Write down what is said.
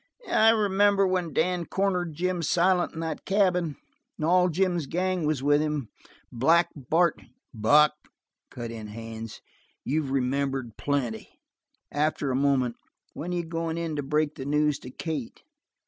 "I remember when Dan cornered Jim Silent in that cabin, and all Jim's gang was with him. Black Bart " "Buck," cut in Haines, "you've remembered plenty." After a moment: "When are you going in to break the news to Kate?"